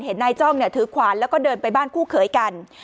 นายจ้องเนี่ยถือขวานแล้วก็เดินไปบ้านคู่เขยกัน